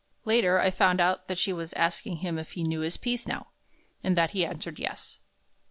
Later, I found out that she was asking him if he knew his "piece" now, and that he answered yes.